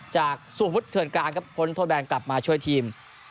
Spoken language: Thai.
จากสู่ฟุตเถิดกลางครับคนโทรแบนกลับมาช่วยทีม